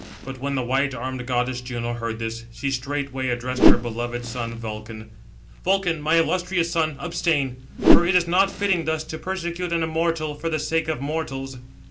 But when the white armed goddess Juno heard this, she straightway addressed her beloved son Vulcan: "Vulcan, my illustrious son, abstain; for it is not fitting thus to persecute an immortal god for the sake of mortals."